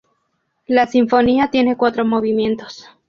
La sinfonía tiene cuatro movimientos.